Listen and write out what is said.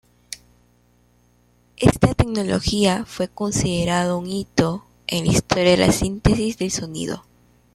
Esta tecnología fue considerada un "hito" en la historia de la síntesis de sonido.